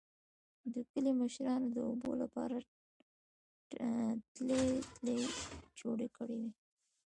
د کلي مشرانو د اوبو لپاره ټلۍ ټلۍ جوړې کړې